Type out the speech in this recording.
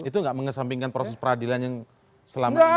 itu nggak mengesampingkan proses peradilan yang selama ini